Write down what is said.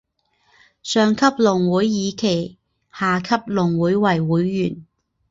上级农会以其下级农会为会员。